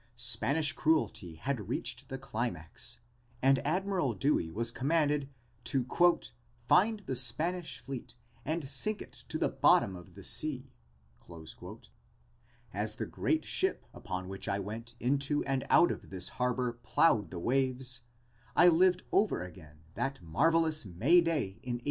Spanish cruelty had reached the climax and Admiral Dewey was commanded to "find the Spanish fleet and sink it to the bottom of the sea." As the great ship upon which I went into and out of this harbor plowed the waves I lived over again that marvelous May day in 1898.